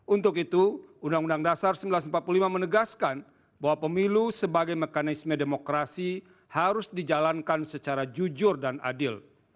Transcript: untuk itu undang undang dasar seribu sembilan ratus empat puluh lima menegaskan bahwa pemilu sebagai mekanisme demokrasi harus dijalankan secara jujur dan adil